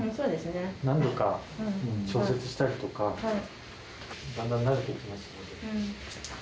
何度か調節したりとか、だんだん慣れてきますので。